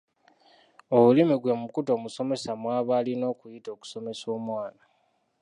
Olulimi gwe mukutu omusomesa mw’aba alina okuyita okusomesa omwana.